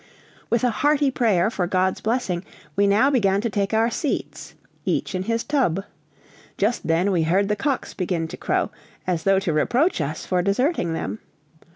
With a hearty prayer for God's blessing, we now began to take our seats, each in his tub. Just then we heard the cocks begin to crow, as though to reproach us for deserting them.